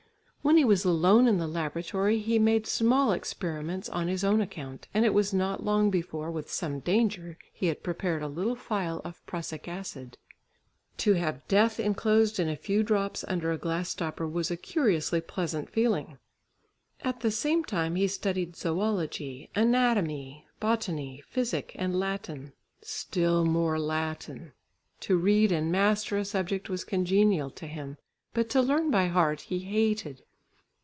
When he was alone in the laboratory he made small experiments on his own account, and it was not long before with some danger he had prepared a little phial of prussic acid. To have death enclosed in a few drops under a glass stopper was a curiously pleasant feeling. At the same time he studied zoology, anatomy, botany, physic and Latin, still more Latin! To read and master a subject was congenial to him, but to learn by heart he hated.